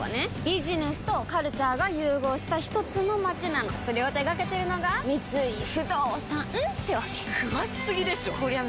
ビジネスとカルチャーが融合したひとつの街なのそれを手掛けてるのが三井不動産ってわけ詳しすぎでしょこりゃ